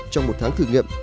trong một tháng thử nghiệm